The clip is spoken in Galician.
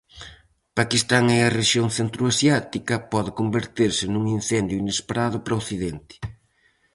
Paquistán e a rexión centroasiática pode converterse nun incendio inesperado para Occidente.